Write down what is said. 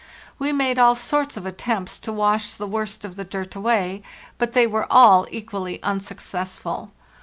We made all sorts of attempts to wash the worst of the dirt away; but they were all equally un successful.